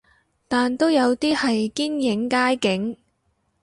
但都有啲係堅影街景